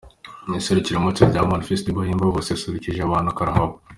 Mu Iserukiramuco rya Amani Festival Yemba Voice yasusurukije abantu karahava.